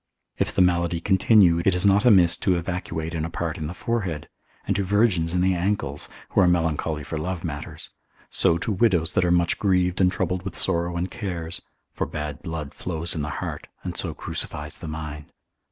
If the malady continue, it is not amiss to evacuate in a part in the forehead, and to virgins in the ankles, who are melancholy for love matters; so to widows that are much grieved and troubled with sorrow and cares: for bad blood flows in the heart, and so crucifies the mind.